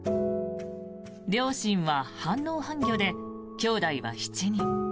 両親は半農半漁できょうだいは７人。